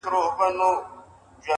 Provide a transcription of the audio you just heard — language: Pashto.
دا څو وجوده ولې په يوه روح کي راگير دي~